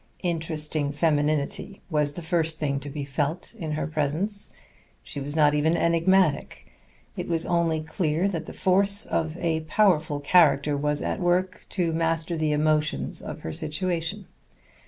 Interesting femininity was the first thing to be felt in her presence. She was not even enigmatic. It was only clear that the force of a powerful character was at work to master the emotions of her situation.